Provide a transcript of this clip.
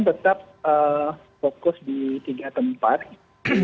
tetap fokus di tiga tempat